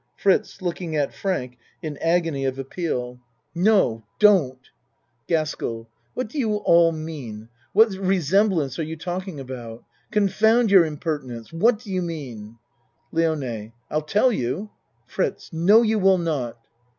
FRITZ (Looking at Frank in agony of appeal.) 76 A MAN'S WORLD No! Don't GASKELL What do you all mean ? What resem blance are you talking about? Confound your im pertinence! What do you mean? LIONE I'll tell you FRITZ No, you will not.